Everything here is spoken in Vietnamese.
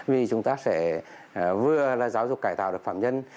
vì chúng ta sẽ vừa là giáo dục cải tạo được phạm nhân